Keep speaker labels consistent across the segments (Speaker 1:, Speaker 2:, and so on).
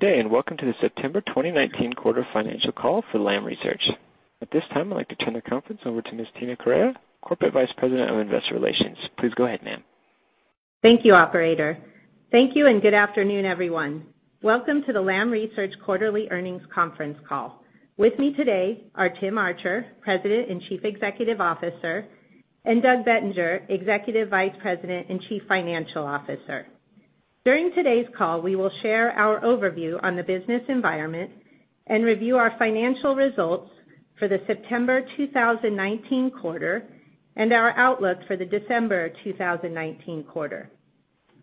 Speaker 1: Good day. Welcome to the September 2019 quarter financial call for Lam Research. At this time, I'd like to turn the conference over to Ms. Tina Correia, Corporate Vice President of Investor Relations. Please go ahead, ma'am.
Speaker 2: Thank you, operator. Thank you, and good afternoon, everyone. Welcome to the Lam Research quarterly earnings conference call. With me today are Timothy Archer, President and Chief Executive Officer, and Douglas Bettinger, Executive Vice President and Chief Financial Officer. During today's call, we will share our overview on the business environment and review our financial results for the September 2019 quarter and our outlook for the December 2019 quarter.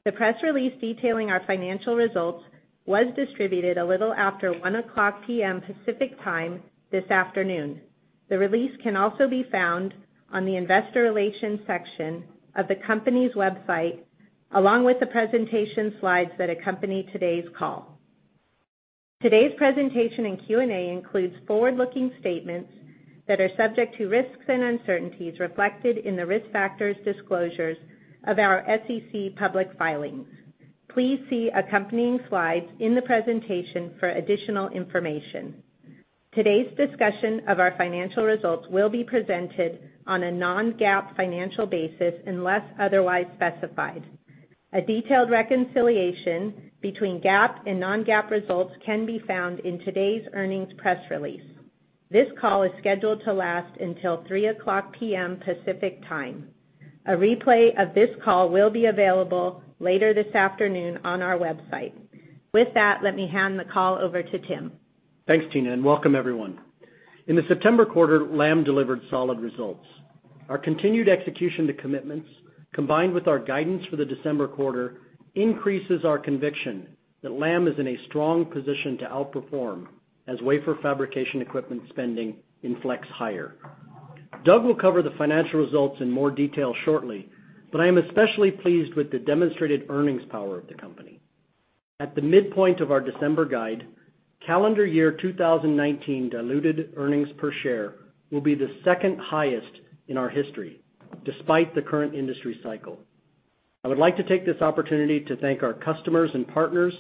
Speaker 2: The press release detailing our financial results was distributed a little after 1:00 P.M. Pacific Time this afternoon. The release can also be found on the investor relations section of the company's website, along with the presentation slides that accompany today's call. Today's presentation and Q&A includes forward-looking statements that are subject to risks and uncertainties reflected in the risk factors disclosures of our SEC public filings. Please see accompanying slides in the presentation for additional information. Today's discussion of our financial results will be presented on a non-GAAP financial basis unless otherwise specified. A detailed reconciliation between GAAP and non-GAAP results can be found in today's earnings press release. This call is scheduled to last until 3:00 P.M. Pacific Time. A replay of this call will be available later this afternoon on our website. With that, let me hand the call over to Tim.
Speaker 3: Thanks, Tina. Welcome everyone. In the September quarter, Lam delivered solid results. Our continued execution to commitments, combined with our guidance for the December quarter, increases our conviction that Lam is in a strong position to outperform as wafer fabrication equipment spending inflects higher. Doug will cover the financial results in more detail shortly. I am especially pleased with the demonstrated earnings power of the company. At the midpoint of our December guide, calendar year 2019 diluted earnings per share will be the second highest in our history, despite the current industry cycle. I would like to take this opportunity to thank our customers and partners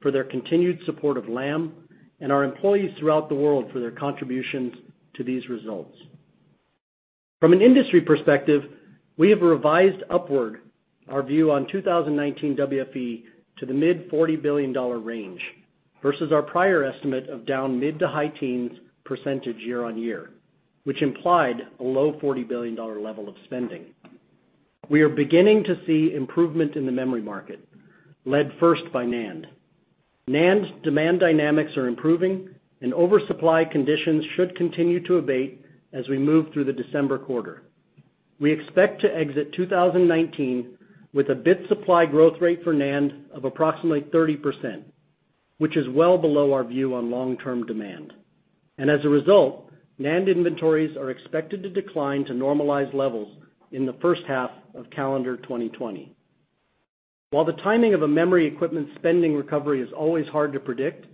Speaker 3: for their continued support of Lam and our employees throughout the world for their contributions to these results. From an industry perspective, we have revised upward our view on 2019 WFE to the mid $40 billion range versus our prior estimate of down mid to high teens percentage year-on-year, which implied a low $40 billion level of spending. We are beginning to see improvement in the memory market, led first by NAND. NAND's demand dynamics are improving and oversupply conditions should continue to abate as we move through the December quarter. We expect to exit 2019 with a bit supply growth rate for NAND of approximately 30%, which is well below our view on long-term demand. As a result, NAND inventories are expected to decline to normalized levels in the first half of calendar 2020. While the timing of a memory equipment spending recovery is always hard to predict,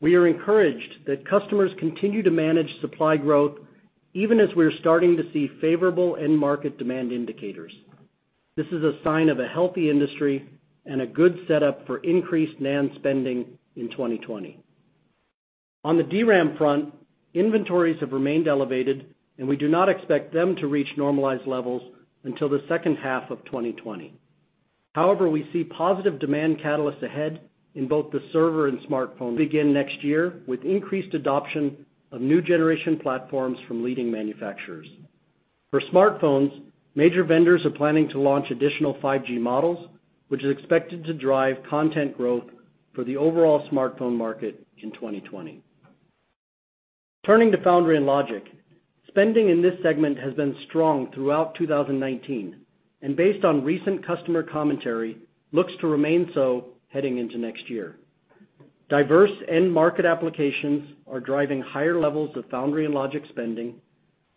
Speaker 3: we are encouraged that customers continue to manage supply growth even as we are starting to see favorable end market demand indicators. This is a sign of a healthy industry and a good setup for increased NAND spending in 2020. On the DRAM front, inventories have remained elevated, and we do not expect them to reach normalized levels until the second half of 2020. However, we see positive demand catalysts ahead in both the server and smartphone beginning next year with increased adoption of new generation platforms from leading manufacturers. For smartphones, major vendors are planning to launch additional 5G models, which is expected to drive content growth for the overall smartphone market in 2020. Turning to foundry and logic, spending in this segment has been strong throughout 2019 and based on recent customer commentary, looks to remain so heading into next year. Diverse end market applications are driving higher levels of foundry and logic spending.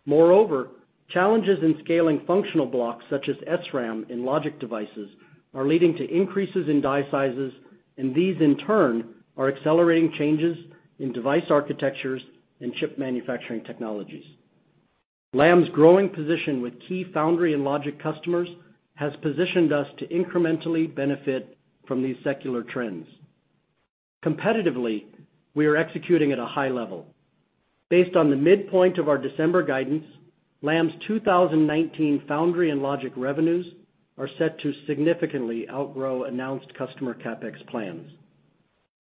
Speaker 3: Moreover, challenges in scaling functional blocks such as SRAM and logic devices are leading to increases in die sizes, and these in turn are accelerating changes in device architectures and chip manufacturing technologies. Lam's growing position with key foundry and logic customers has positioned us to incrementally benefit from these secular trends. Competitively, we are executing at a high level. Based on the midpoint of our December guidance, Lam's 2019 foundry and logic revenues are set to significantly outgrow announced customer CapEx plans.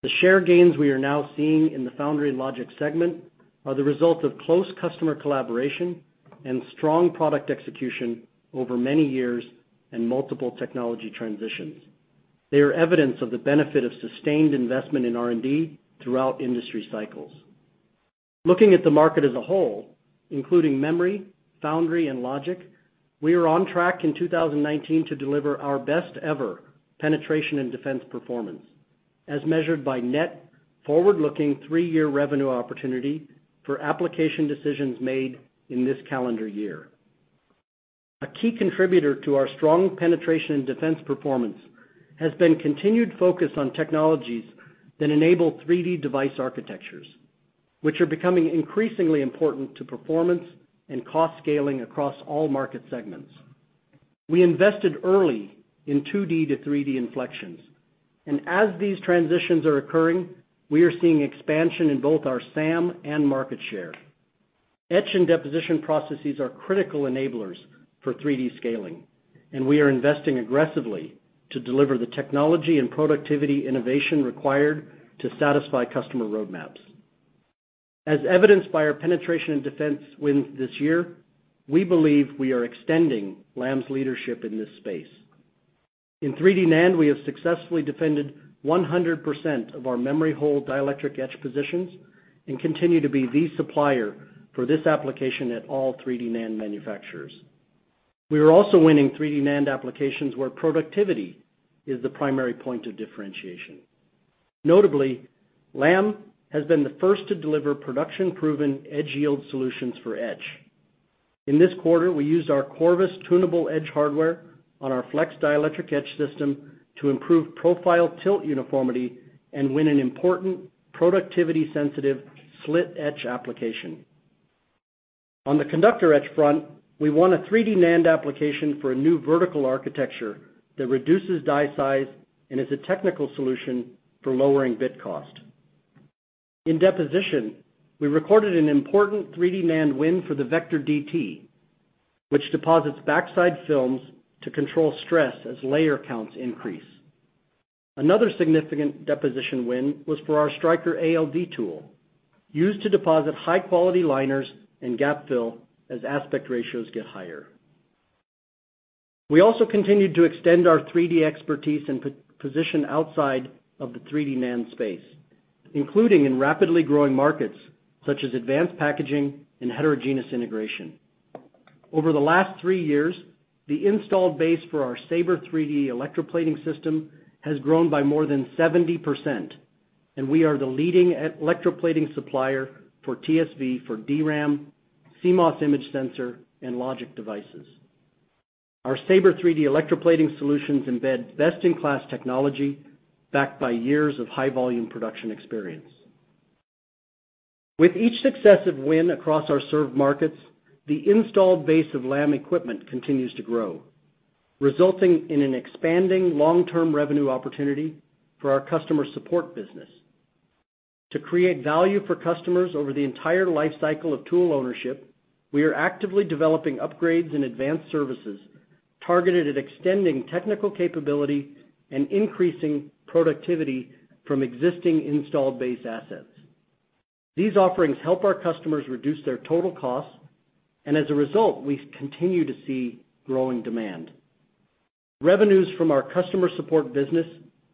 Speaker 3: The share gains we are now seeing in the foundry and logic segment are the result of close customer collaboration and strong product execution over many years and multiple technology transitions. They are evidence of the benefit of sustained investment in R&D throughout industry cycles. Looking at the market as a whole, including memory, foundry, and logic, we are on track in 2019 to deliver our best ever penetration and defense performance, as measured by net forward-looking three-year revenue opportunity for application decisions made in this calendar year. A key contributor to our strong penetration and defense performance has been continued focus on technologies that enable 3D device architectures, which are becoming increasingly important to performance and cost scaling across all market segments. We invested early in 2D to 3D inflections. As these transitions are occurring, we are seeing expansion in both our SAM and market share. Etch and deposition processes are critical enablers for 3D scaling, and we are investing aggressively to deliver the technology and productivity innovation required to satisfy customer roadmaps. As evidenced by our penetration and defense wins this year, we believe we are extending Lam's leadership in this space. In 3D NAND, we have successfully defended 100% of our memory hole dielectric etch positions and continue to be the supplier for this application at all 3D NAND manufacturers. We are also winning 3D NAND applications where productivity is the primary point of differentiation. Notably, Lam has been the first to deliver production-proven edge yield solutions for etch. In this quarter, we used our Corvus tunable etch hardware on our Flex dielectric etch system to improve profile tilt uniformity and win an important productivity-sensitive slit etch application. On the conductor etch front, we won a 3D NAND application for a new vertical architecture that reduces die size and is a technical solution for lowering bit cost. In deposition, we recorded an important 3D NAND win for the VECTOR DT, which deposits backside films to control stress as layer counts increase. Another significant deposition win was for our Striker ALD tool, used to deposit high-quality liners and gap fill as aspect ratios get higher. We also continued to extend our 3D expertise and position outside of the 3D NAND space, including in rapidly growing markets such as advanced packaging and heterogeneous integration. Over the last three years, the installed base for our SABRE 3D electroplating system has grown by more than 70%, and we are the leading electroplating supplier for TSV, for DRAM, CMOS image sensor, and logic devices. Our SABRE 3D electroplating solutions embed best-in-class technology backed by years of high-volume production experience. With each successive win across our served markets, the installed base of Lam equipment continues to grow, resulting in an expanding long-term revenue opportunity for our customer support business. To create value for customers over the entire life cycle of tool ownership, we are actively developing upgrades and advanced services targeted at extending technical capability and increasing productivity from existing installed base assets. These offerings help our customers reduce their total costs, and as a result, we continue to see growing demand. Revenues from our customer support business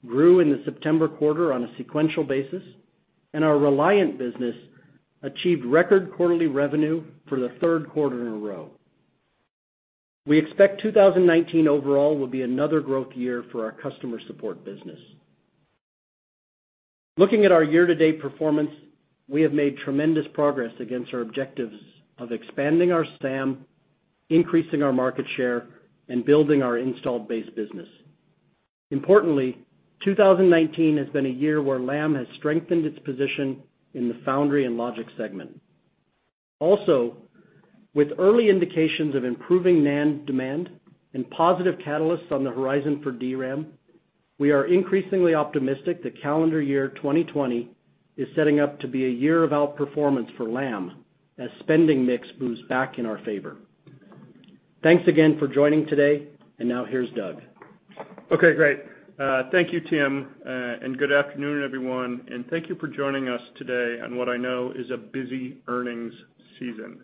Speaker 3: grew in the September quarter on a sequential basis, and our Reliant business achieved record quarterly revenue for the third quarter in a row. We expect 2019 overall will be another growth year for our customer support business. Looking at our year-to-date performance, we have made tremendous progress against our objectives of expanding our SAM, increasing our market share, and building our installed base business. Importantly, 2019 has been a year where Lam has strengthened its position in the foundry and logic segment. Also, with early indications of improving NAND demand and positive catalysts on the horizon for DRAM, we are increasingly optimistic that calendar year 2020 is setting up to be a year of outperformance for Lam as spending mix moves back in our favor. Thanks again for joining today. Now, here's Doug.
Speaker 4: Okay, great. Thank you, Tim, and good afternoon, everyone, and thank you for joining us today on what I know is a busy earnings season.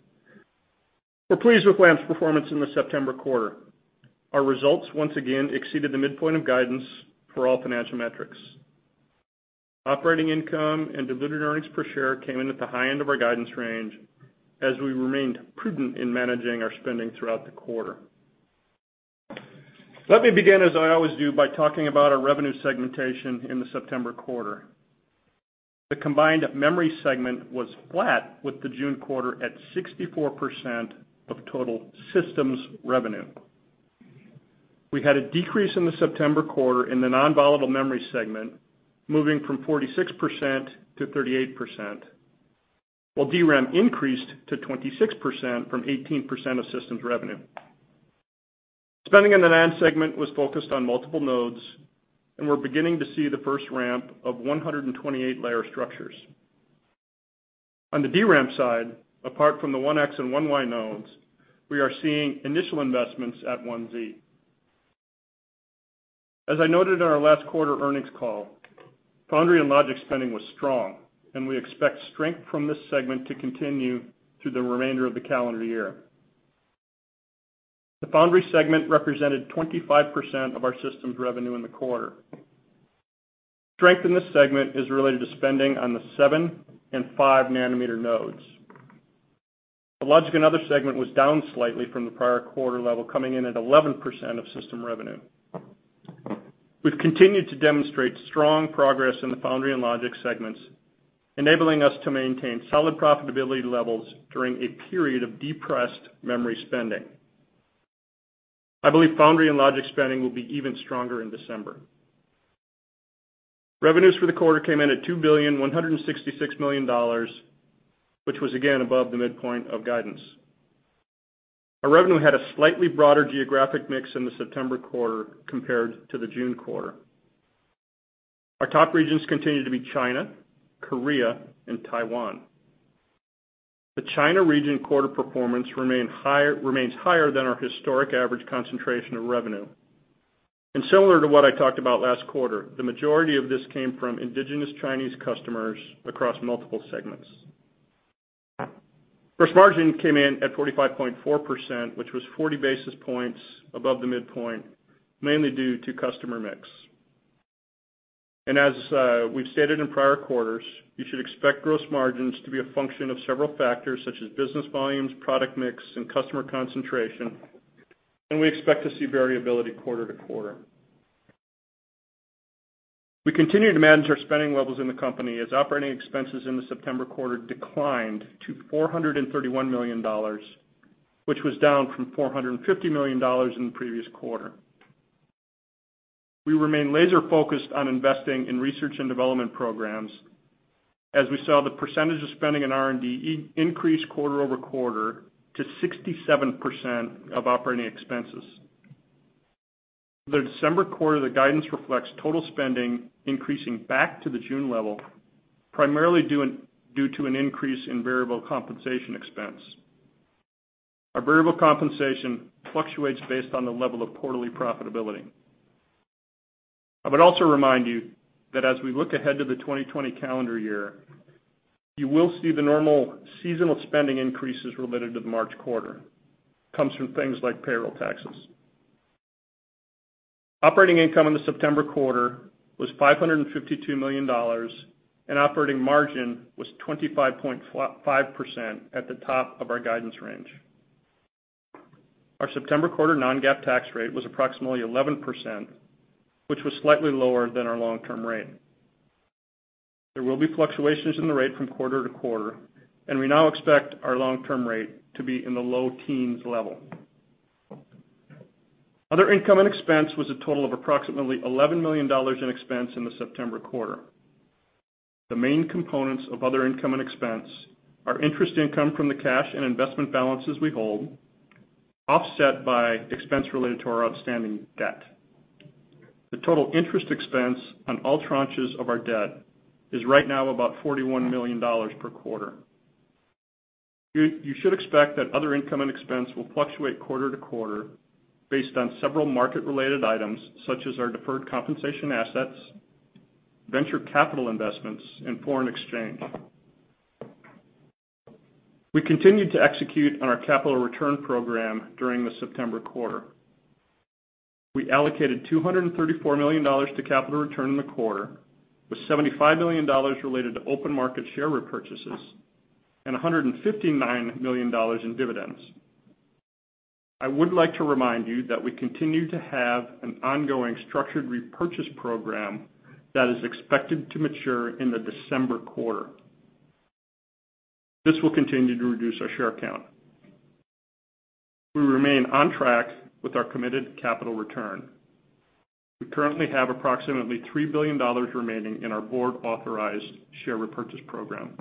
Speaker 4: We're pleased with Lam's performance in the September quarter. Our results once again exceeded the midpoint of guidance for all financial metrics. Operating income and diluted earnings per share came in at the high end of our guidance range as we remained prudent in managing our spending throughout the quarter. Let me begin, as I always do, by talking about our revenue segmentation in the September quarter. The combined memory segment was flat with the June quarter at 64% of total systems revenue. We had a decrease in the September quarter in the non-volatile memory segment, moving from 46% to 38%, while DRAM increased to 26% from 18% of systems revenue. Spending in the NAND segment was focused on multiple nodes, and we're beginning to see the first ramp of 128-layer structures. On the DRAM side, apart from the 1X and 1Y nodes, we are seeing initial investments at 1Z. As I noted in our last quarter earnings call, foundry and logic spending was strong, and we expect strength from this segment to continue through the remainder of the calendar year. The foundry segment represented 25% of our systems revenue in the quarter. Strength in this segment is related to spending on the seven and five-nanometer nodes. The logic and other segment was down slightly from the prior quarter level, coming in at 11% of system revenue. We've continued to demonstrate strong progress in the foundry and logic segments, enabling us to maintain solid profitability levels during a period of depressed memory spending. I believe foundry and logic spending will be even stronger in December. Revenues for the quarter came in at $2,166,000,000, which was again above the midpoint of guidance. Our revenue had a slightly broader geographic mix in the September quarter compared to the June quarter. Our top regions continue to be China, Korea, and Taiwan. The China region quarter performance remains higher than our historic average concentration of revenue. Similar to what I talked about last quarter, the majority of this came from indigenous Chinese customers across multiple segments. Gross margin came in at 45.4%, which was 40 basis points above the midpoint, mainly due to customer mix. As we've stated in prior quarters, you should expect gross margins to be a function of several factors such as business volumes, product mix, and customer concentration, and we expect to see variability quarter to quarter. We continue to manage our spending levels in the company as operating expenses in the September quarter declined to $431 million, which was down from $450 million in the previous quarter. We remain laser-focused on investing in research and development programs as we saw the percentage of spending in R&D increase quarter-over-quarter to 67% of operating expenses. For the December quarter, the guidance reflects total spending increasing back to the June level, primarily due to an increase in variable compensation expense. Our variable compensation fluctuates based on the level of quarterly profitability. I would also remind you that as we look ahead to the 2020 calendar year, you will see the normal seasonal spending increases related to the March quarter, comes from things like payroll taxes. Operating income in the September quarter was $552 million, and operating margin was 25.5% at the top of our guidance range. Our September quarter non-GAAP tax rate was approximately 11%, which was slightly lower than our long-term rate. There will be fluctuations in the rate from quarter to quarter, and we now expect our long-term rate to be in the low teens level. Other income and expense was a total of approximately $11 million in expense in the September quarter. The main components of other income and expense are interest income from the cash and investment balances we hold, offset by expense related to our outstanding debt. The total interest expense on all tranches of our debt is right now about $41 million per quarter. You should expect that other income and expense will fluctuate quarter to quarter based on several market-related items such as our deferred compensation assets, venture capital investments, and foreign exchange. We continued to execute on our capital return program during the September quarter. We allocated $234 million to capital return in the quarter, with $75 million related to open market share repurchases and $159 million in dividends. I would like to remind you that we continue to have an ongoing structured repurchase program that is expected to mature in the December quarter. This will continue to reduce our share count. We remain on track with our committed capital return. We currently have approximately $3 billion remaining in our board-authorized share repurchase program.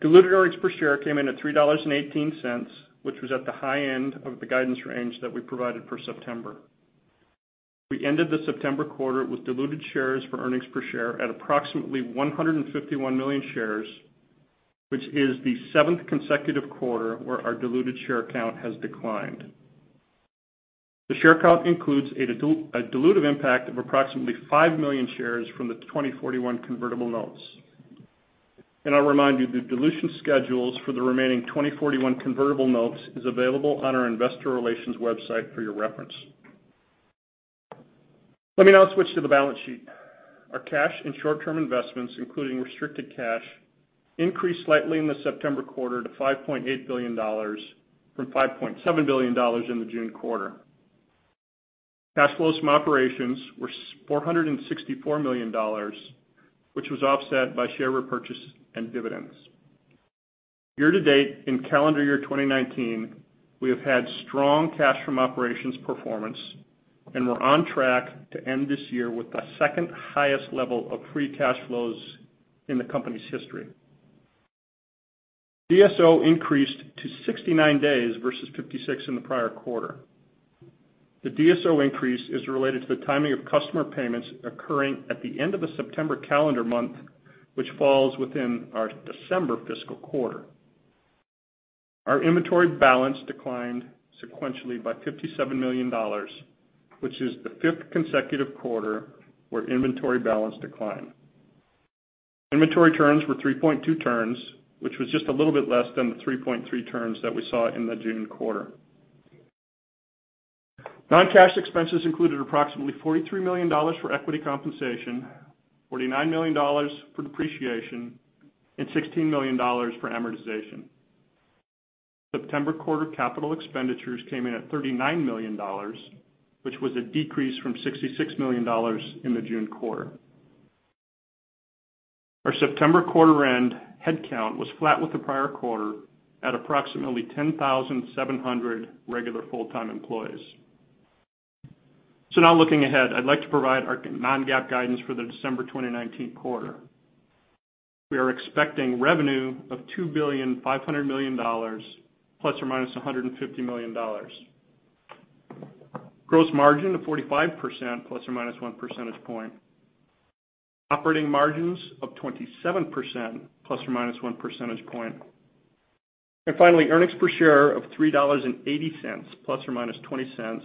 Speaker 4: Diluted earnings per share came in at $3.18, which was at the high end of the guidance range that we provided for September. We ended the September quarter with diluted shares for earnings per share at approximately 151 million shares, which is the seventh consecutive quarter where our diluted share count has declined. The share count includes a dilutive impact of approximately five million shares from the 2041 convertible notes. I'll remind you, the dilution schedules for the remaining 2041 convertible notes is available on our investor relations website for your reference. Let me now switch to the balance sheet. Our cash and short-term investments, including restricted cash, increased slightly in the September quarter to $5.8 billion from $5.7 billion in the June quarter. Cash flows from operations were $464 million, which was offset by share repurchase and dividends. Year-to-date in calendar year 2019, we have had strong cash from operations performance and we're on track to end this year with the second highest level of free cash flows in the company's history. DSO increased to 69 days versus 56 in the prior quarter. The DSO increase is related to the timing of customer payments occurring at the end of the September calendar month, which falls within our December fiscal quarter. Our inventory balance declined sequentially by $57 million, which is the fifth consecutive quarter where inventory balance declined. Inventory turns were 3.2 turns, which was just a little bit less than the 3.3 turns that we saw in the June quarter. Non-cash expenses included approximately $43 million for equity compensation, $49 million for depreciation, and $16 million for amortization. September quarter capital expenditures came in at $39 million, which was a decrease from $66 million in the June quarter. Our September quarter end headcount was flat with the prior quarter at approximately 10,700 regular full-time employees. Now looking ahead, I'd like to provide our non-GAAP guidance for the December 2019 quarter. We are expecting revenue of $2 billion, $500 million, ±$150 million. Gross margin of 45%, ±one percentage point. Operating margins of 27%, ±one percentage point. Finally, earnings per share of $3.80, ±$0.20,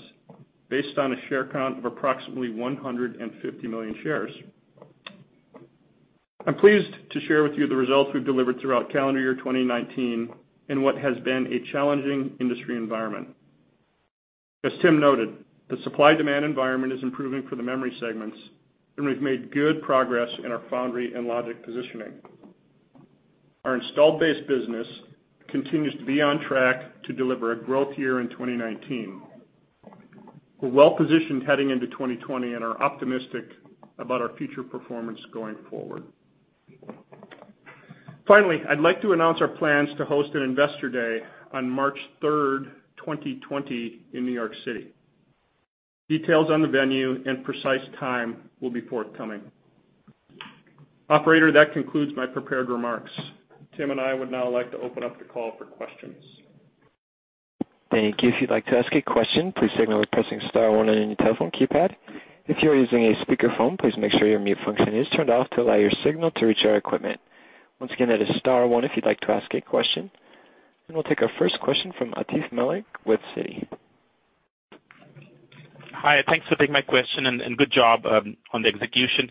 Speaker 4: based on a share count of approximately 150 million shares. I'm pleased to share with you the results we've delivered throughout calendar year 2019, in what has been a challenging industry environment. As Tim noted, the supply-demand environment is improving for the memory segments, and we've made good progress in our foundry and logic positioning. Our installed base business continues to be on track to deliver a growth year in 2019. We're well-positioned heading into 2020 and are optimistic about our future performance going forward. Finally, I'd like to announce our plans to host an investor day on March 3rd, 2020 in New York City. Details on the venue and precise time will be forthcoming. Operator, that concludes my prepared remarks. Tim and I would now like to open up the call for questions.
Speaker 1: Thank you. If you'd like to ask a question, please signal by pressing star one on your telephone keypad. If you are using a speakerphone, please make sure your mute function is turned off to allow your signal to reach our equipment. Once again, that is star one if you'd like to ask a question. We'll take our first question from Atif Malik with Citi.
Speaker 5: Hi, thanks for taking my question, and good job on the execution.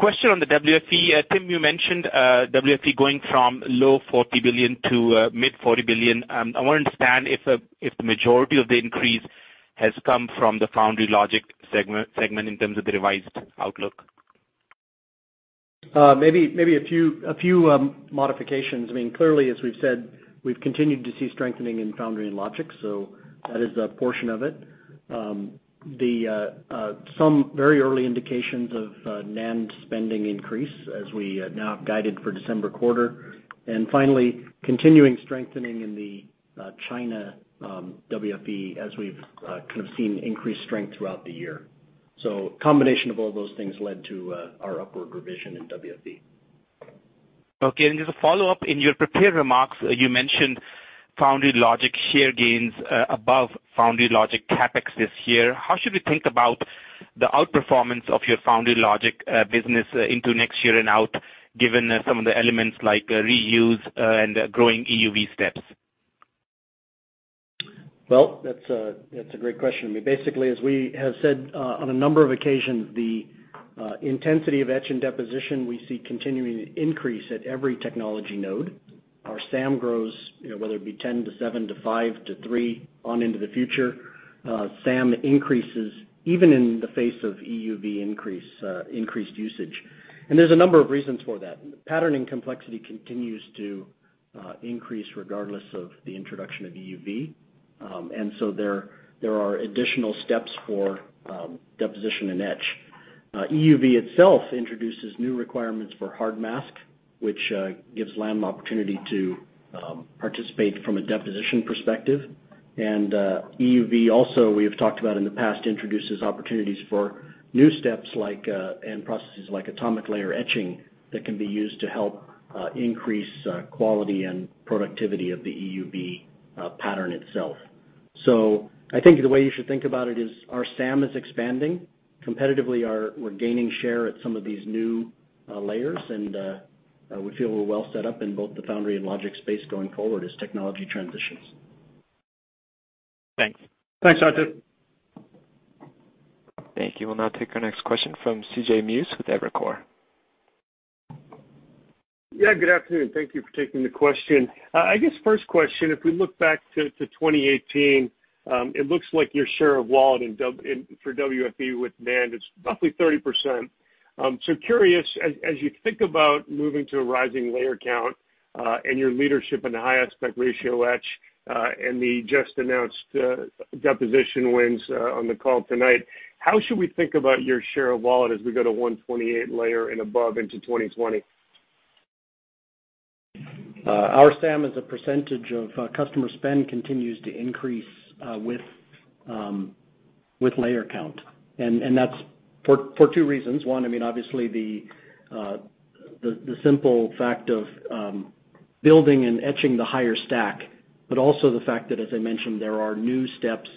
Speaker 5: Question on the WFE. Tim, you mentioned WFE going from low $40 billion to mid $40 billion. I want to understand if the majority of the increase has come from the foundry logic segment in terms of the revised outlook.
Speaker 3: Maybe a few modifications. Clearly, as we've said, we've continued to see strengthening in foundry and logic. That is a portion of it. Some very early indications of NAND spending increase as we now have guided for December quarter. Finally, continuing strengthening in the China WFE as we've kind of seen increased strength throughout the year. A combination of all those things led to our upward revision in WFE.
Speaker 5: Okay. Just a follow-up. In your prepared remarks, you mentioned foundry logic share gains above foundry logic CapEx this year. How should we think about the outperformance of your foundry logic business into next year and out, given some of the elements like reuse and growing EUV steps?
Speaker 3: Well, that's a great question. Basically, as we have said on a number of occasions, the intensity of etch and deposition, we see continuing to increase at every technology node. Our SAM grows, whether it be 10 to 7 to 5 to 3 on into the future. SAM increases even in the face of EUV increased usage. There's a number of reasons for that. Patterning complexity continues to increase regardless of the introduction of EUV. There are additional steps for deposition and etch. EUV itself introduces new requirements for hard mask, which gives Lam an opportunity to participate from a deposition perspective. EUV also, we have talked about in the past, introduces opportunities for new steps and processes like atomic layer etching, that can be used to help increase quality and productivity of the EUV pattern itself. I think the way you should think about it is our SAM is expanding. Competitively, we're gaining share at some of these new layers, and we feel we're well set up in both the foundry and logic space going forward as technology transitions.
Speaker 5: Thanks.
Speaker 3: Thanks, Atif.
Speaker 1: Thank you. We'll now take our next question from C.J. Muse with Evercore.
Speaker 6: Yeah, good afternoon. Thank you for taking the question. I guess first question, if we look back to 2018, it looks like your share of wallet for WFE with NAND is roughly 30%. Curious, as you think about moving to a rising layer count, and your leadership in the high aspect ratio etch, and the just-announced deposition wins on the call tonight, how should we think about your share of wallet as we go to 128 layer and above into 2020?
Speaker 3: Our SAM as a percentage of customer spend continues to increase with layer count. That's for two reasons. One, obviously the simple fact of building and etching the higher stack, but also the fact that, as I mentioned, there are new steps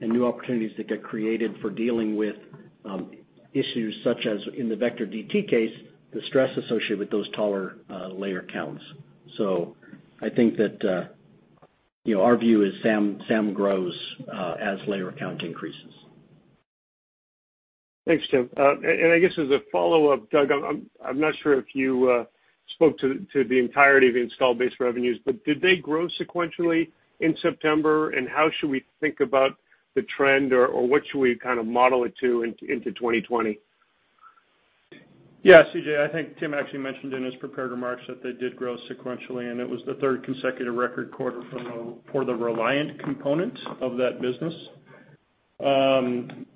Speaker 3: and new opportunities that get created for dealing with issues such as in the VECTOR DT case, the stress associated with those taller layer counts. I think that our view is SAM grows as layer count increases.
Speaker 6: Thanks, Tim. I guess as a follow-up, Doug, I am not sure if you spoke to the entirety of the installed base revenues, but did they grow sequentially in September? How should we think about the trend or what should we kind of model it to into 2020?
Speaker 4: Yeah, CJ, I think Tim actually mentioned in his prepared remarks that they did grow sequentially, and it was the third consecutive record quarter for the Reliant component of that business. I'm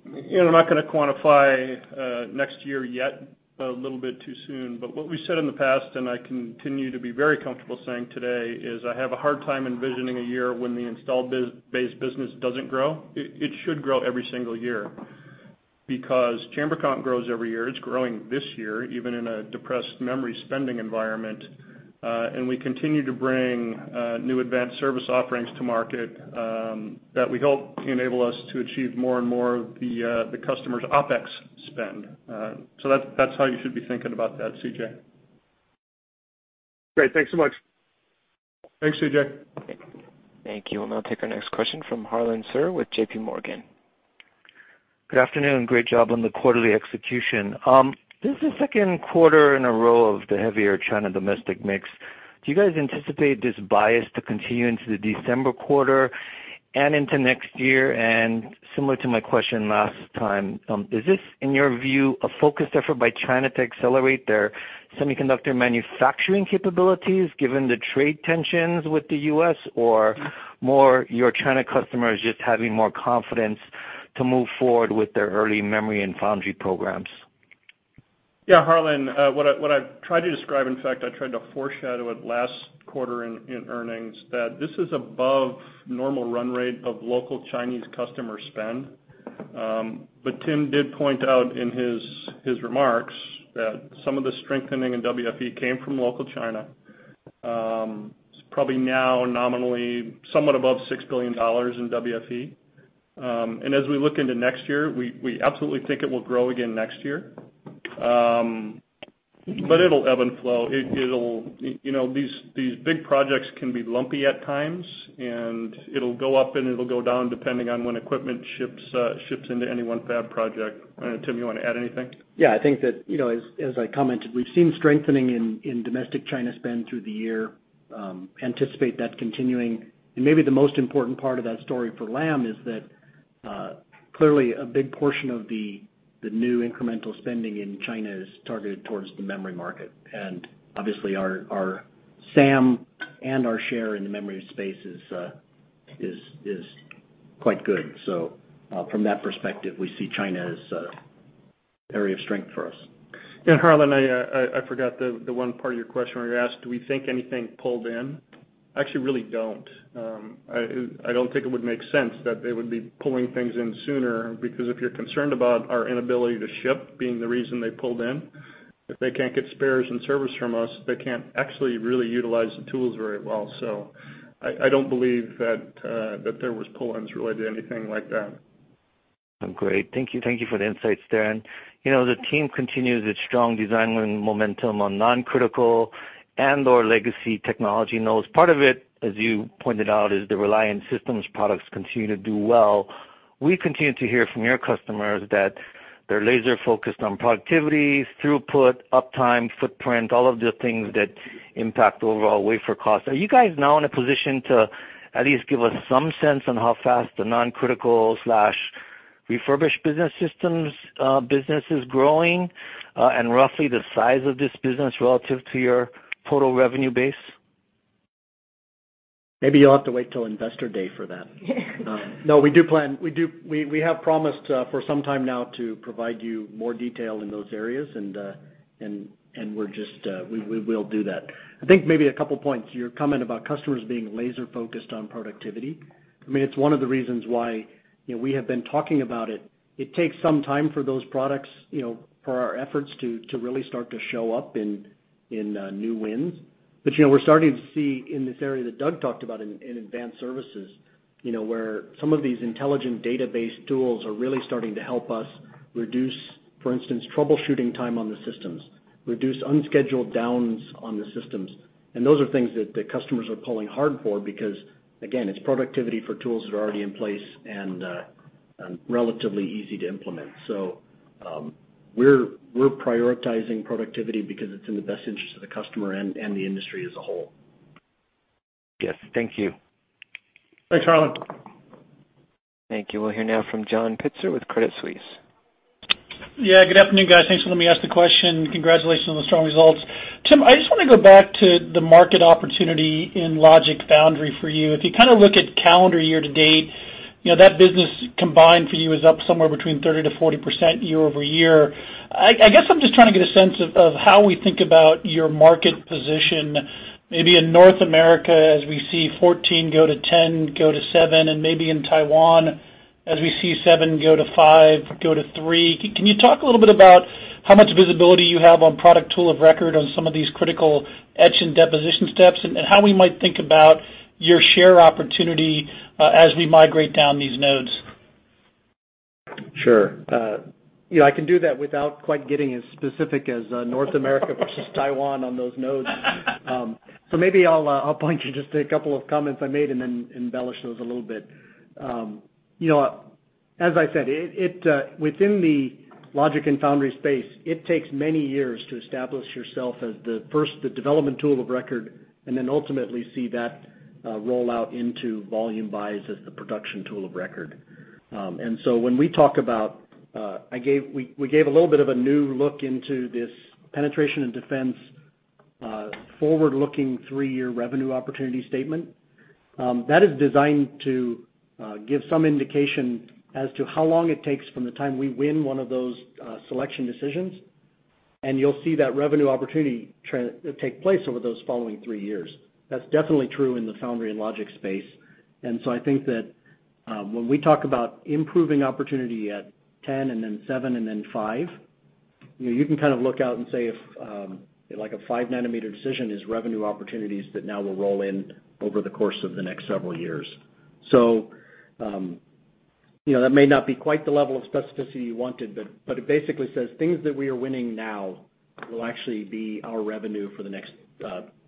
Speaker 4: not going to quantify next year yet, a little bit too soon. What we've said in the past, and I continue to be very comfortable saying today, is I have a hard time envisioning a year when the installed base business doesn't grow. It should grow every single year because chamber comp grows every year. It's growing this year, even in a depressed memory spending environment. We continue to bring new advanced service offerings to market, that we hope enable us to achieve more and more of the customer's OPEX spend. That's how you should be thinking about that, CJ.
Speaker 6: Great. Thanks so much.
Speaker 4: Thanks, C.J.
Speaker 1: Thank you. I'll now take our next question from Harlan Sur with J.P. Morgan.
Speaker 7: Good afternoon. Great job on the quarterly execution. This is the second quarter in a row of the heavier China domestic mix. Do you guys anticipate this bias to continue into the December quarter and into next year? Similar to my question last time, is this, in your view, a focused effort by China to accelerate their semiconductor manufacturing capabilities given the trade tensions with the U.S., or more your China customers just having more confidence to move forward with their early memory and foundry programs?
Speaker 4: Yeah, Harlan, what I've tried to describe, in fact, I tried to foreshadow it last quarter in earnings, that this is above normal run rate of local Chinese customer spend. Tim did point out in his remarks that some of the strengthening in WFE came from local China. It's probably now nominally somewhat above $6 billion in WFE. As we look into next year, we absolutely think it will grow again next year. It'll ebb and flow. These big projects can be lumpy at times, and it'll go up and it'll go down depending on when equipment ships into any one fab project. Tim, you want to add anything?
Speaker 3: Yeah, I think that, as I commented, we've seen strengthening in domestic China spend through the year, anticipate that continuing. Maybe the most important part of that story for Lam is that clearly a big portion of the new incremental spending in China is targeted towards the memory market. Obviously our SAM and our share in the memory space is quite good. From that perspective, we see China as an area of strength for us.
Speaker 4: Harlan, I forgot the one part of your question where you asked, do we think anything pulled in? I actually really don't. I don't think it would make sense that they would be pulling things in sooner, because if you're concerned about our inability to ship being the reason they pulled in, if they can't get spares and service from us, they can't actually really utilize the tools very well. I don't believe that there was pull-ins related to anything like that.
Speaker 7: Great. Thank you for the insights there. The team continues its strong design win momentum on non-critical and/or legacy technology nodes. Part of it, as you pointed out, is the Reliant systems products continue to do well. We continue to hear from your customers that they're laser-focused on productivity, throughput, uptime, footprint, all of the things that impact overall wafer cost. Are you guys now in a position to at least give us some sense on how fast the non-critical/refurbished business systems business is growing, and roughly the size of this business relative to your total revenue base?
Speaker 3: Maybe you'll have to wait till Investor Day for that. We have promised for some time now to provide you more detail in those areas, and we will do that. I think maybe a couple points. Your comment about customers being laser-focused on productivity. It's one of the reasons why we have been talking about it. It takes some time for those products, for our efforts to really start to show up in new wins. We're starting to see in this area that Doug talked about in advanced services, where some of these intelligent database tools are really starting to help us reduce, for instance, troubleshooting time on the systems, reduce unscheduled downs on the systems. Those are things that the customers are pulling hard for because, again, it's productivity for tools that are already in place and relatively easy to implement. We're prioritizing productivity because it's in the best interest of the customer and the industry as a whole.
Speaker 7: Yes. Thank you.
Speaker 4: Thanks, Harlan.
Speaker 1: Thank you. We'll hear now from John Pitzer with Credit Suisse.
Speaker 8: Yeah, good afternoon, guys. Thanks for letting me ask the question. Congratulations on the strong results. Tim, I just want to go back to the market opportunity in logic foundry for you. If you kind of look at calendar year to date, that business combined for you is up somewhere between 30%-40% year-over-year. I guess I'm just trying to get a sense of how we think about your market position, maybe in North America as we see 14 go to 10 go to seven, and maybe in Taiwan as we see seven go to five go to three. Can you talk a little bit about how much visibility you have on product tool of record on some of these critical etch and deposition steps, and how we might think about your share opportunity as we migrate down these nodes?
Speaker 3: Sure. I can do that without quite getting as specific as North America versus Taiwan on those nodes. Maybe I'll point you just to a couple of comments I made and then embellish those a little bit. As I said, within the logic and foundry space, it takes many years to establish yourself as the first, the development tool of record, and then ultimately see that roll out into volume buys as the production tool of record. When we talk about We gave a little bit of a new look into this penetration and defense forward-looking three-year revenue opportunity statement. That is designed to give some indication as to how long it takes from the time we win one of those selection decisions, and you'll see that revenue opportunity take place over those following three years. That's definitely true in the foundry and logic space. I think that when we talk about improving opportunity at 10 and then seven and then five, you can look out and say if a five-nanometer decision is revenue opportunities that now will roll in over the course of the next several years. That may not be quite the level of specificity you wanted, but it basically says things that we are winning now will actually be our revenue for the next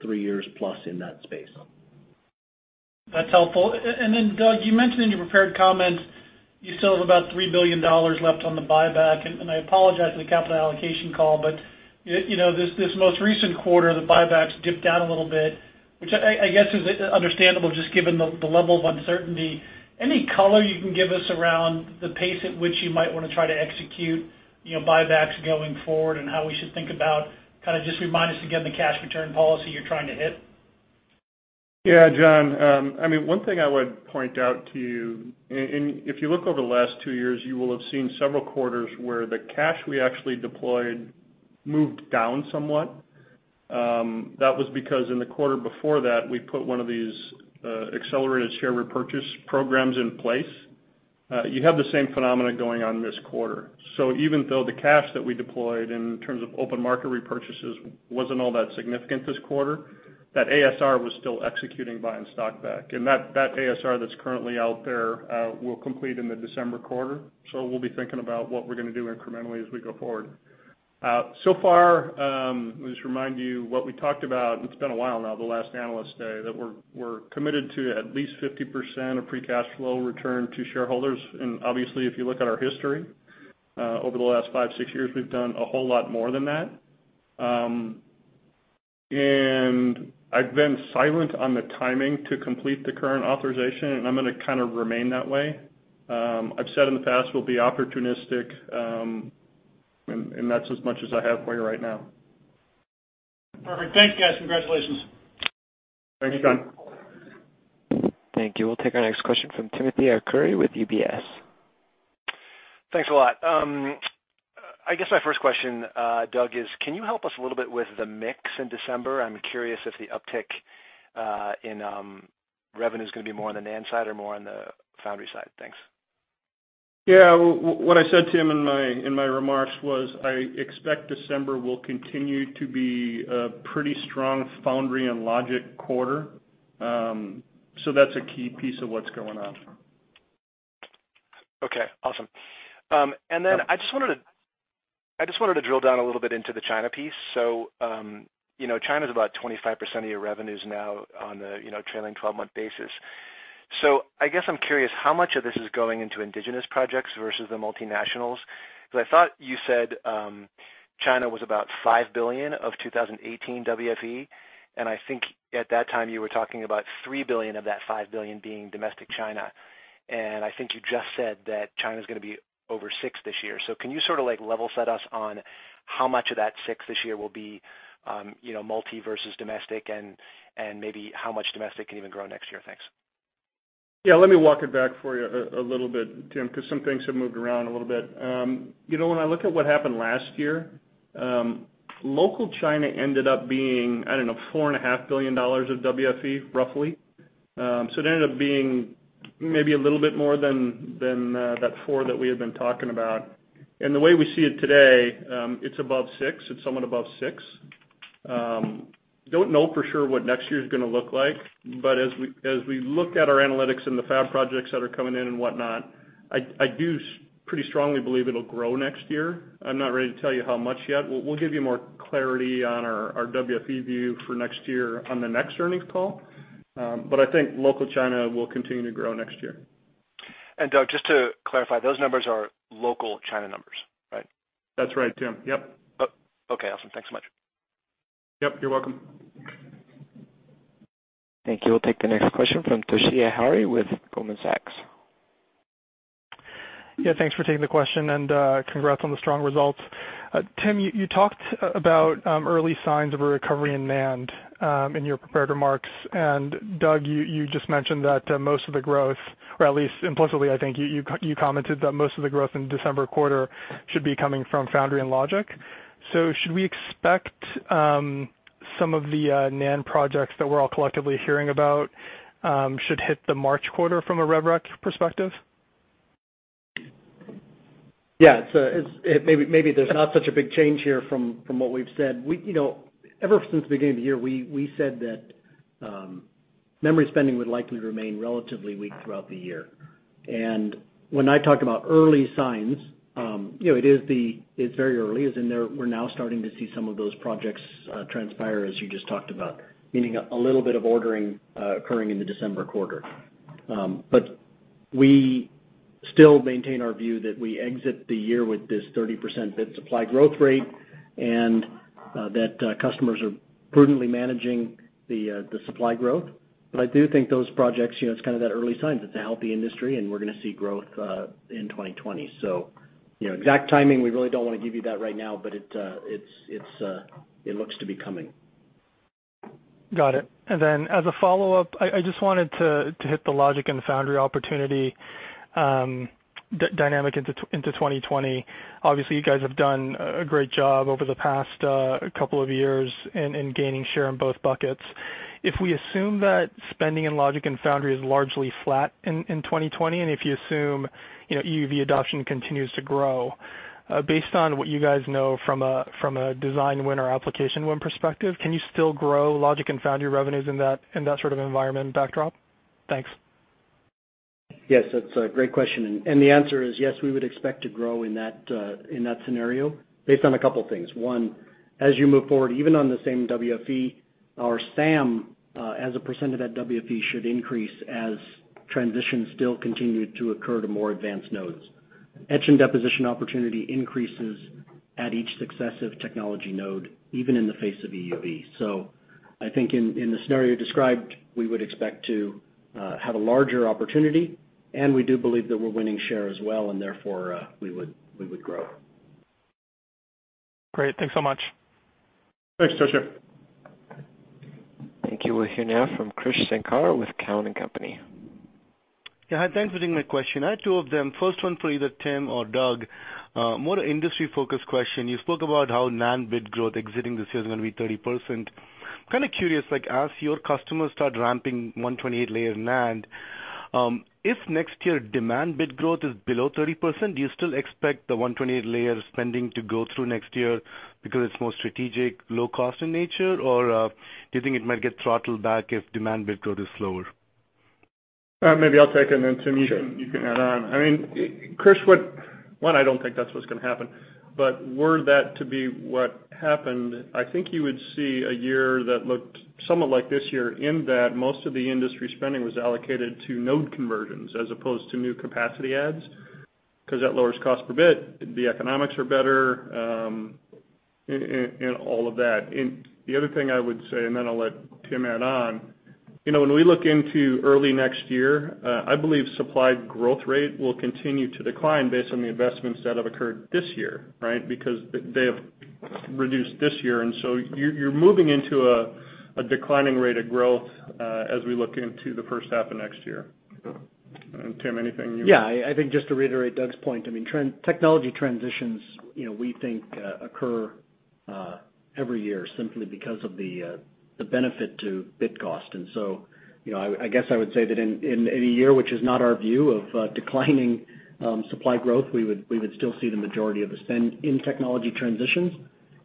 Speaker 3: three years plus in that space.
Speaker 8: That's helpful. Then Doug, you mentioned in your prepared comments, you still have about $3 billion left on the buyback. I apologize for the capital allocation call. This most recent quarter, the buybacks dipped down a little bit, which I guess is understandable just given the level of uncertainty. Any color you can give us around the pace at which you might want to try to execute buybacks going forward and how we should think about, kind of just remind us again, the cash return policy you're trying to hit?
Speaker 4: Yeah, John. One thing I would point out to you, if you look over the last 2 years, you will have seen several quarters where the cash we actually deployed moved down somewhat. That was because in the quarter before that, we put one of these accelerated share repurchase programs in place. You have the same phenomenon going on this quarter. Even though the cash that we deployed in terms of open market repurchases wasn't all that significant this quarter, that ASR was still executing buying stock back. That ASR that's currently out there will complete in the December quarter, we'll be thinking about what we're going to do incrementally as we go forward. So far, let me just remind you what we talked about, it's been a while now, the last Analyst Day, that we're committed to at least 50% of free cash flow return to shareholders. Obviously, if you look at our history, over the last five, six years, we've done a whole lot more than that. I've been silent on the timing to complete the current authorization, and I'm going to kind of remain that way. I've said in the past, we'll be opportunistic, and that's as much as I have for you right now.
Speaker 8: Perfect. Thanks, guys. Congratulations.
Speaker 4: Thanks, John.
Speaker 1: Thank you. We'll take our next question from Timothy Arcuri with UBS.
Speaker 9: Thanks a lot. I guess my first question, Doug, is can you help us a little bit with the mix in December? I'm curious if the uptick in revenue is going to be more on the NAND side or more on the foundry side. Thanks.
Speaker 4: What I said, Tim, in my remarks was I expect December will continue to be a pretty strong foundry and logic quarter. That's a key piece of what's going on.
Speaker 9: Okay, awesome. Then I just wanted to drill down a little bit into the China piece. China's about 25% of your revenues now on a trailing 12-month basis. I guess I'm curious how much of this is going into indigenous projects versus the multinationals, because I thought you said China was about $5 billion of 2018 WFE, I think at that time you were talking about $3 billion of that $5 billion being domestic China. I think you just said that China's going to be over $6 billion this year. Can you sort of level set us on how much of that $6 billion this year will be multi versus domestic and maybe how much domestic can even grow next year? Thanks.
Speaker 4: Yeah, let me walk it back for you a little bit, Tim, because some things have moved around a little bit. When I look at what happened last year, local China ended up being, I don't know, $4.5 billion of WFE, roughly. It ended up being maybe a little bit more than that $4 that we had been talking about. The way we see it today, it's above $6. It's somewhat above $6. Don't know for sure what next year's going to look like, but as we look at our analytics and the fab projects that are coming in and whatnot, I do pretty strongly believe it'll grow next year. I'm not ready to tell you how much yet. We'll give you more clarity on our WFE view for next year on the next earnings call. I think local China will continue to grow next year.
Speaker 9: Doug, just to clarify, those numbers are local China numbers, right?
Speaker 4: That's right, Tim. Yep.
Speaker 9: Okay, awesome. Thanks so much.
Speaker 4: Yep, you're welcome.
Speaker 1: Thank you. We'll take the next question from Toshiya Hari with Goldman Sachs.
Speaker 10: Yeah, thanks for taking the question, and congrats on the strong results. Tim, you talked about early signs of a recovery in NAND in your prepared remarks, and Doug, you just mentioned that most of the growth, or at least implicitly, I think you commented that most of the growth in December quarter should be coming from foundry and logic. Should we expect some of the NAND projects that we're all collectively hearing about should hit the March quarter from a rev rec perspective?
Speaker 3: Yeah. Maybe there's not such a big change here from what we've said. Ever since the beginning of the year, we said that memory spending would likely remain relatively weak throughout the year. When I talked about early signs, it's very early, as in we're now starting to see some of those projects transpire, as you just talked about, meaning a little bit of ordering occurring in the December quarter. We still maintain our view that we exit the year with this 30% bit supply growth rate. That customers are prudently managing the supply growth. I do think those projects, it's kind of that early signs. It's a healthy industry, and we're going to see growth in 2020. Exact timing, we really don't want to give you that right now, but it looks to be coming.
Speaker 10: Got it. As a follow-up, I just wanted to hit the logic and the foundry opportunity dynamic into 2020. Obviously, you guys have done a great job over the past couple of years in gaining share in both buckets. If we assume that spending in logic and foundry is largely flat in 2020, if you assume EUV adoption continues to grow, based on what you guys know from a design win or application win perspective, can you still grow logic and foundry revenues in that sort of environment backdrop? Thanks.
Speaker 3: Yes, that's a great question. The answer is, yes, we would expect to grow in that scenario based on a couple things. One, as you move forward, even on the same WFE, our SAM, as a % of that WFE should increase as transitions still continue to occur to more advanced nodes. Etch and deposition opportunity increases at each successive technology node, even in the face of EUV. I think in the scenario described, we would expect to have a larger opportunity, and we do believe that we're winning share as well, and therefore, we would grow.
Speaker 10: Great. Thanks so much.
Speaker 4: Thanks, Toshiya.
Speaker 1: Thank you. We'll hear now from Krish Sankar with Cowen and Company.
Speaker 11: Yeah. Hi, thanks for taking my question. I have two of them. First one for either Tim or Doug. More an industry-focused question. You spoke about how NAND bit growth exiting this year is going to be 30%. Kind of curious, like, as your customers start ramping 128 layer NAND, if next year demand bit growth is below 30%, do you still expect the 128 layer spending to go through next year because it's more strategic, low cost in nature? Or do you think it might get throttled back if demand bit growth is slower?
Speaker 4: Maybe I'll take it, and then Tim-
Speaker 3: Sure
Speaker 4: you can add on. Krish, one, I don't think that's what's going to happen, but were that to be what happened, I think you would see a year that looked somewhat like this year in that most of the industry spending was allocated to node conversions as opposed to new capacity adds, because that lowers cost per bit. The economics are better and all of that. The other thing I would say, and then I'll let Tim add on. When we look into early next year, I believe supply growth rate will continue to decline based on the investments that have occurred this year, right? Because they have reduced this year, and so you're moving into a declining rate of growth as we look into the first half of next year. Tim, anything you?
Speaker 3: Yeah, I think just to reiterate Doug's point, technology transitions we think occur every year simply because of the benefit to bit cost. I guess I would say that in a year which is not our view of declining supply growth, we would still see the majority of the spend in technology transitions.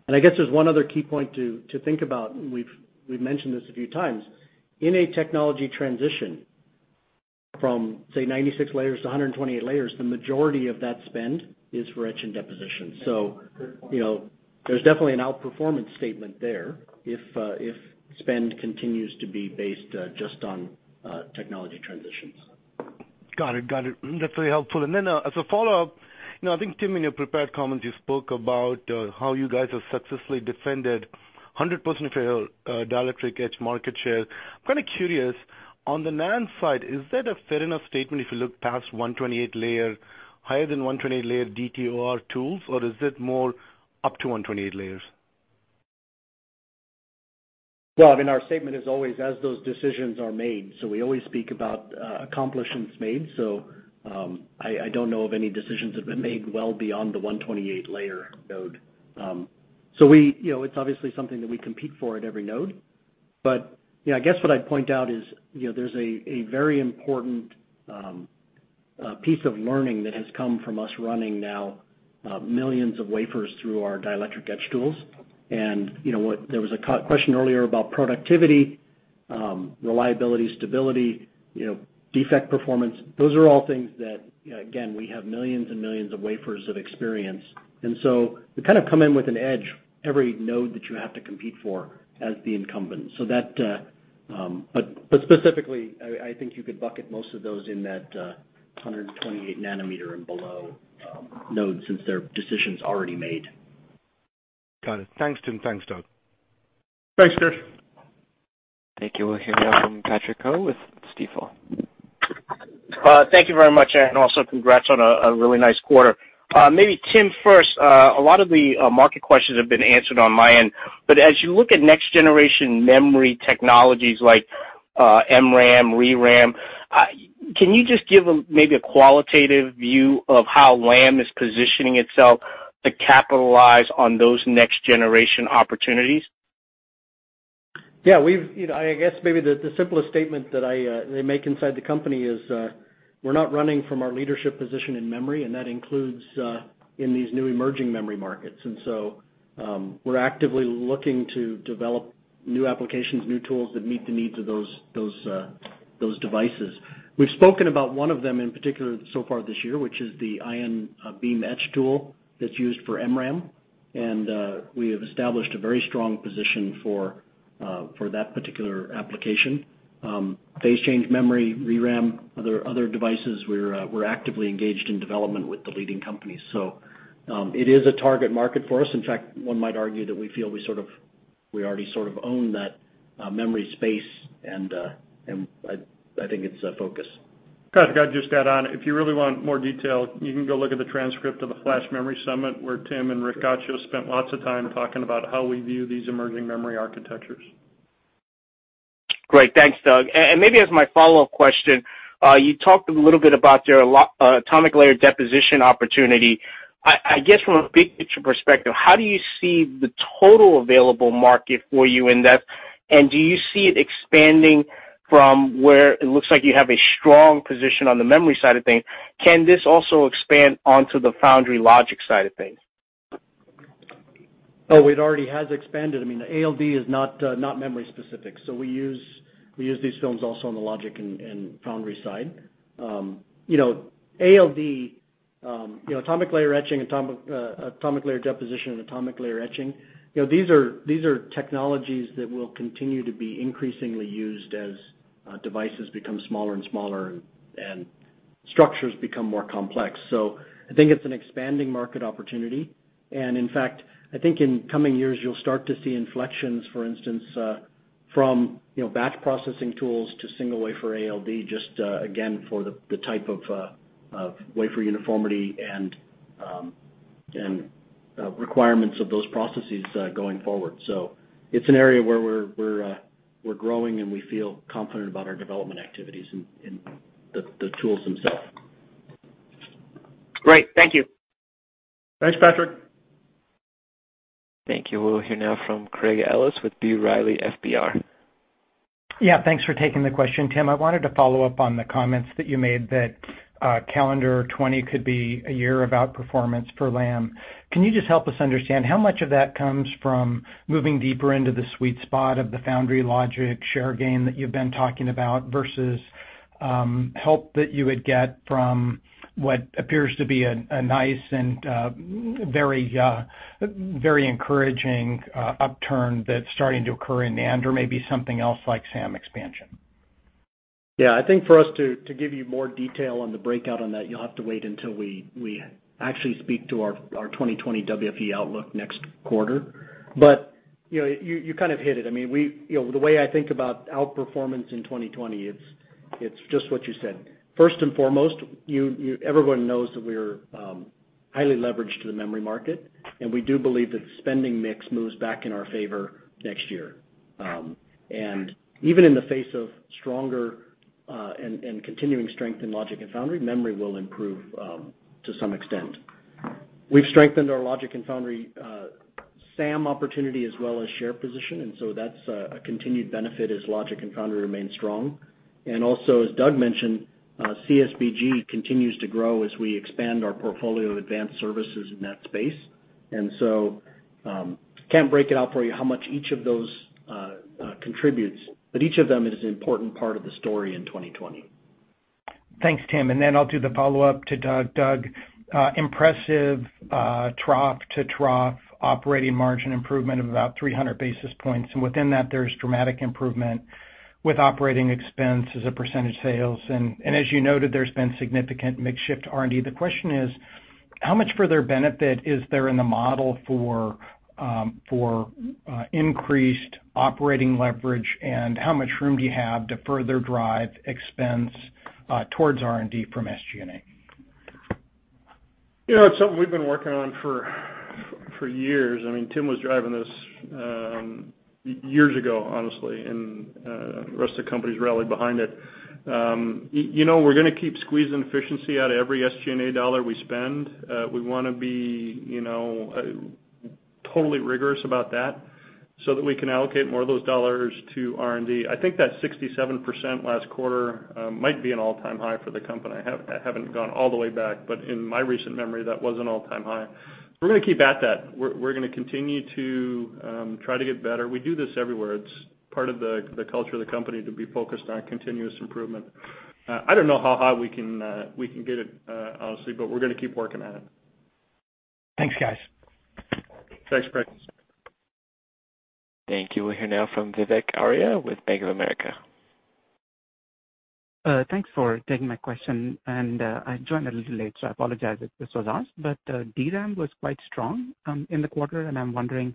Speaker 3: I guess there's one other key point to think about, and we've mentioned this a few times. In a technology transition from, say, 96 layers to 128 layers, the majority of that spend is for etch and deposition.
Speaker 11: Good point.
Speaker 3: There's definitely an outperformance statement there if spend continues to be based just on technology transitions.
Speaker 11: Got it. That's very helpful. As a follow-up, I think Tim, in your prepared comments, you spoke about how you guys have successfully defended 100% of your dielectric etch market share. I'm kind of curious, on the NAND side, is that a fair enough statement if you look past 128 layer, higher than 128 layer DTOR tools, or is it more up to 128 layers?
Speaker 3: Well, our statement is always as those decisions are made. We always speak about accomplishments made. I don't know of any decisions that have been made well beyond the 128 layer node. It's obviously something that we compete for at every node. I guess what I'd point out is there's a very important piece of learning that has come from us running now millions of wafers through our dielectric etch tools. There was a question earlier about productivity, reliability, stability, defect performance. Those are all things that, again, we have millions and millions of wafers of experience. We kind of come in with an edge every node that you have to compete for as the incumbent. Specifically, I think you could bucket most of those in that 128 nanometer and below node since their decision's already made.
Speaker 11: Got it. Thanks, Tim. Thanks, Doug.
Speaker 4: Thanks, Krish.
Speaker 1: Thank you. We'll hear now from Patrick Ho with Stifel.
Speaker 12: Thank you very much, also congrats on a really nice quarter. Maybe Tim first. A lot of the market questions have been answered on my end, as you look at next-generation memory technologies like MRAM, ReRAM, can you just give maybe a qualitative view of how Lam is positioning itself to capitalize on those next-generation opportunities?
Speaker 3: I guess maybe the simplest statement that they make inside the company is we're not running from our leadership position in memory, and that includes in these new emerging memory markets. We're actively looking to develop new applications, new tools that meet the needs of those devices. We've spoken about one of them in particular so far this year, which is the ion beam etch tool that's used for MRAM. We have established a very strong position for that particular application. Phase-change memory, ReRAM, other devices, we're actively engaged in development with the leading companies. It is a target market for us. In fact, one might argue that we feel we already sort of own that memory space, and I think it's a focus.
Speaker 4: Patrick, I'd just add on, if you really want more detail, you can go look at the transcript of the Flash Memory Summit, where Tim and Rick Gottscho spent lots of time talking about how we view these emerging memory architectures.
Speaker 12: Great. Thanks, Doug. Maybe as my follow-up question, you talked a little bit about your atomic layer deposition opportunity. I guess from a big picture perspective, how do you see the total available market for you in that? Do you see it expanding from where it looks like you have a strong position on the memory side of things? Can this also expand onto the foundry logic side of things?
Speaker 3: Oh, it already has expanded. ALD is not memory specific. We use these films also on the logic and foundry side. ALD, atomic layer deposition, and atomic layer etching, these are technologies that will continue to be increasingly used as devices become smaller and smaller and structures become more complex. I think it's an expanding market opportunity. In fact, I think in coming years, you'll start to see inflections, for instance, from batch processing tools to single wafer ALD, just again, for the type of wafer uniformity and requirements of those processes going forward. It's an area where we're growing, and we feel confident about our development activities and the tools themselves.
Speaker 12: Great. Thank you.
Speaker 4: Thanks, Patrick.
Speaker 1: Thank you. We'll hear now from Craig Ellis with B. Riley FBR.
Speaker 13: Yeah, thanks for taking the question. Tim, I wanted to follow up on the comments that you made that calendar 2020 could be a year of outperformance for Lam. Can you just help us understand how much of that comes from moving deeper into the sweet spot of the foundry logic share gain that you've been talking about, versus help that you would get from what appears to be a nice and very encouraging upturn that's starting to occur in NAND, or maybe something else like SAM expansion?
Speaker 3: Yeah, I think for us to give you more detail on the breakout on that, you'll have to wait until we actually speak to our 2020 WFE outlook next quarter. You kind of hit it. The way I think about outperformance in 2020, it's just what you said. First and foremost, everyone knows that we're highly leveraged to the memory market, and we do believe that the spending mix moves back in our favor next year. Even in the face of stronger and continuing strength in logic and foundry, memory will improve to some extent. We've strengthened our logic and foundry SAM opportunity as well as share position, and so that's a continued benefit as logic and foundry remain strong. Also, as Doug mentioned, CSBG continues to grow as we expand our portfolio of advanced services in that space. Can't break it out for you how much each of those contributes, but each of them is an important part of the story in 2020.
Speaker 13: Thanks, Tim. I'll do the follow-up to Doug. Doug, impressive trough-to-trough operating margin improvement of about 300 basis points. Within that, there's dramatic improvement with operating expense as a percentage sales. As you noted, there's been significant mix shift to R&D. The question is, how much further benefit is there in the model for increased operating leverage, and how much room do you have to further drive expense towards R&D from SG&A?
Speaker 4: It's something we've been working on for years. Tim was driving this years ago, honestly, and the rest of the company's rallied behind it. We're going to keep squeezing efficiency out of every SG&A dollar we spend. We want to be totally rigorous about that so that we can allocate more of those dollars to R&D. I think that 67% last quarter might be an all-time high for the company. I haven't gone all the way back, but in my recent memory, that was an all-time high. We're going to keep at that. We're going to continue to try to get better. We do this everywhere. It's part of the culture of the company to be focused on continuous improvement. I don't know how high we can get it, honestly, but we're going to keep working at it.
Speaker 13: Thanks, guys.
Speaker 4: Thanks, Craig.
Speaker 1: Thank you. We'll hear now from Vivek Arya with Bank of America.
Speaker 14: Thanks for taking my question. I joined a little late, so I apologize if this was asked, but DRAM was quite strong in the quarter, and I'm wondering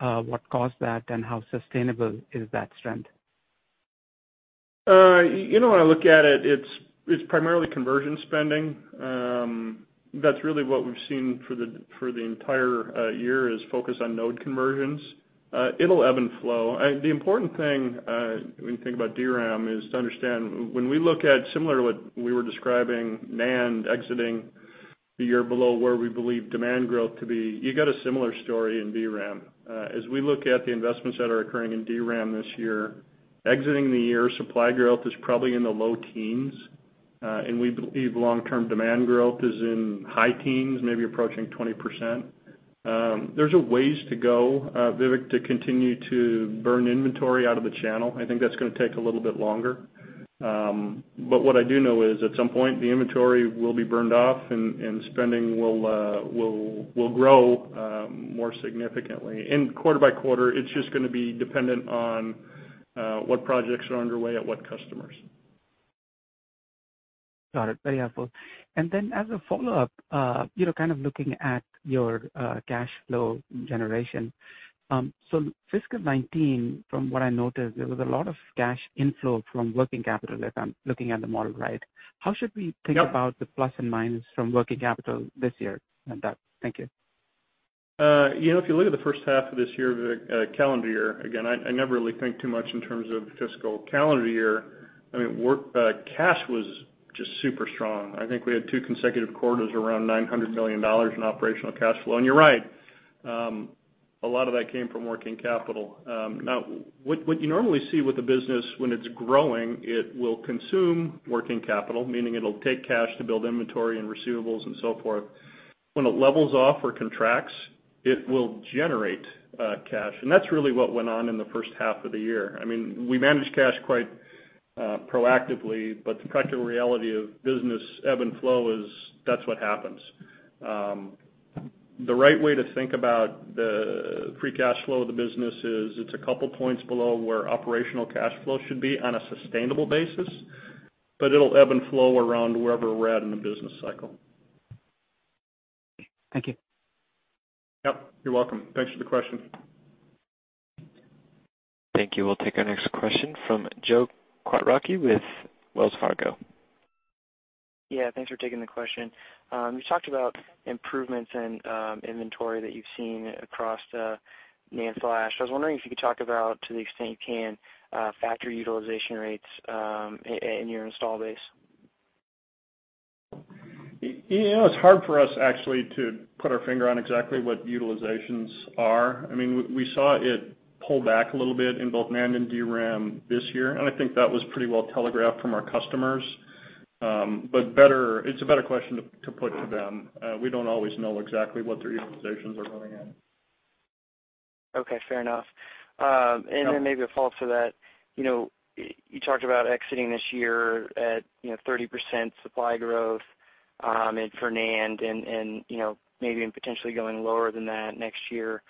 Speaker 14: what caused that and how sustainable is that strength.
Speaker 4: When I look at it's primarily conversion spending. That's really what we've seen for the entire year is focus on node conversions. It'll ebb and flow. The important thing when you think about DRAM is to understand when we look at similar to what we were describing NAND exiting the year below where we believe demand growth to be, you get a similar story in DRAM. As we look at the investments that are occurring in DRAM this year, exiting the year, supply growth is probably in the low teens, and we believe long-term demand growth is in high teens, maybe approaching 20%. There's a ways to go, Vivek, to continue to burn inventory out of the channel. I think that's going to take a little bit longer. What I do know is at some point, the inventory will be burned off and spending will grow more significantly. Quarter by quarter, it's just going to be dependent on what projects are underway at what customers.
Speaker 14: Got it. Very helpful. Then as a follow-up, kind of looking at your cash flow generation. Fiscal 2019, from what I noticed, there was a lot of cash inflow from working capital, if I'm looking at the model right. Yep. How should we think about the plus and minus from working capital this year and that? Thank you.
Speaker 4: If you look at the first half of this year, the calendar year, again, I never really think too much in terms of the fiscal calendar year. I mean, cash was just super strong. I think we had two consecutive quarters around $900 million in operational cash flow. You're right, a lot of that came from working capital. Now, what you normally see with the business when it's growing, it will consume working capital, meaning it'll take cash to build inventory and receivables and so forth. When it levels off or contracts, it will generate cash. That's really what went on in the first half of the year. I mean, we managed cash quite proactively, but the practical reality of business ebb and flow is that's what happens. The right way to think about the free cash flow of the business is it's a couple of points below where operational cash flow should be on a sustainable basis, but it'll ebb and flow around wherever we're at in the business cycle.
Speaker 14: Thank you.
Speaker 4: Yep, you're welcome. Thanks for the question.
Speaker 1: Thank you. We'll take our next question from Joe Quatrochi with Wells Fargo.
Speaker 15: Yeah. Thanks for taking the question. You talked about improvements in inventory that you've seen across the NAND flash. I was wondering if you could talk about, to the extent you can, factory utilization rates in your install base.
Speaker 4: It's hard for us actually to put our finger on exactly what the utilizations are. I mean, we saw it pull back a little bit in both NAND and DRAM this year, I think that was pretty well telegraphed from our customers. It's a better question to put to them. We don't always know exactly what their utilizations are running at.
Speaker 15: Okay, fair enough.
Speaker 4: Yeah.
Speaker 15: Then maybe a follow-up to that. You talked about exiting this year at 30% supply growth for NAND and maybe even potentially going lower than that next year,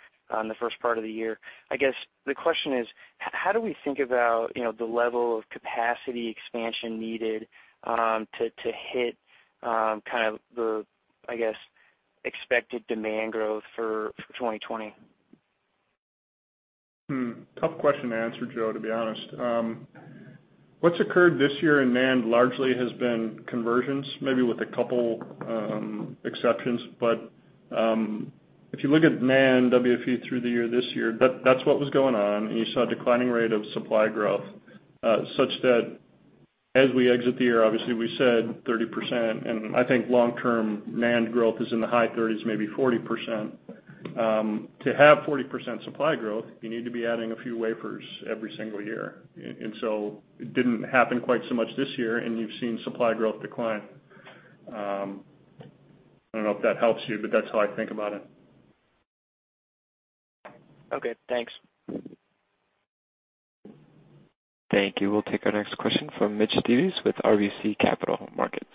Speaker 15: the first part of the year. I guess the question is, how do we think about the level of capacity expansion needed to hit kind of the, I guess, expected demand growth for 2020?
Speaker 4: Hmm. Tough question to answer, Joe, to be honest. What's occurred this year in NAND largely has been convergence, maybe with a couple exceptions. If you look at NAND WFE through the year this year, that's what was going on, and you saw a declining rate of supply growth such that as we exit the year, obviously we said 30%, and I think long-term NAND growth is in the high 30s, maybe 40%. To have 40% supply growth, you need to be adding a few wafers every single year. It didn't happen quite so much this year, and you've seen supply growth decline. I don't know if that helps you, but that's how I think about it.
Speaker 15: Okay, thanks.
Speaker 1: Thank you. We'll take our next question from Mitch Steves with RBC Capital Markets.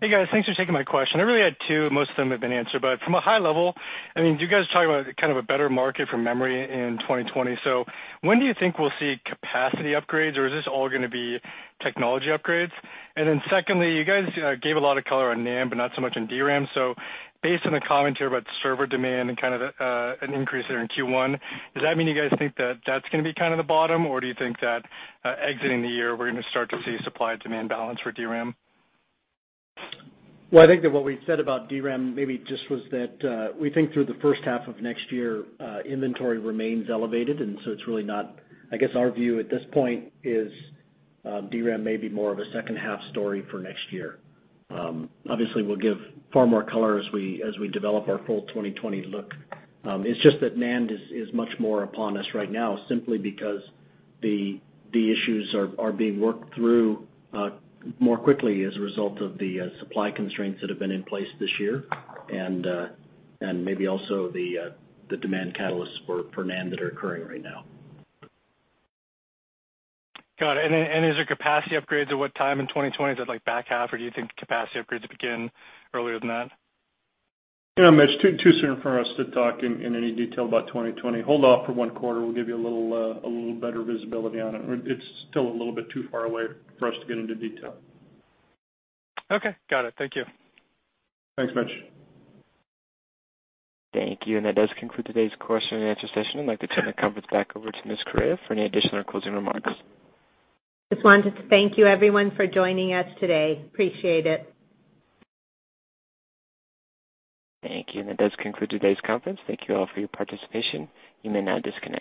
Speaker 16: Hey, guys. Thanks for taking my question. I really had two, most of them have been answered. From a high level, I mean, you guys talk about kind of a better market for memory in 2020. When do you think we'll see capacity upgrades or is this all going to be technology upgrades? Secondly, you guys gave a lot of color on NAND, but not so much on DRAM. Based on the commentary about server demand and kind of an increase there in Q1, does that mean you guys think that that's going to be kind of the bottom, or do you think that exiting the year we're going to start to see supply-demand balance for DRAM?
Speaker 4: Well, I think that what we said about DRAM maybe just was that we think through the first half of next year, inventory remains elevated, and so I guess our view at this point is DRAM may be more of a second half story for next year. Obviously, we'll give far more color as we develop our full 2020 look. It's just that NAND is much more upon us right now simply because the issues are being worked through more quickly as a result of the supply constraints that have been in place this year and maybe also the demand catalysts for NAND that are occurring right now.
Speaker 16: Got it. Is there capacity upgrades at what time in 2020? Is that like back half, or do you think capacity upgrades begin earlier than that?
Speaker 4: Mitch, too soon for us to talk in any detail about 2020. Hold off for one quarter. We'll give you a little better visibility on it. It's still a little bit too far away for us to get into detail.
Speaker 16: Okay. Got it. Thank you.
Speaker 4: Thanks, Mitch.
Speaker 1: Thank you. That does conclude today's question and answer session. I'd like to turn the conference back over to Ms. Correia for any additional closing remarks.
Speaker 2: Just wanted to thank you everyone for joining us today. Appreciate it.
Speaker 1: Thank you. That does conclude today's conference. Thank you all for your participation. You may now disconnect.